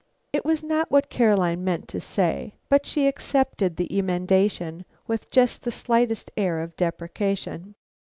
It was not what Caroline meant to say, but she accepted the emendation, with just the slightest air of deprecation.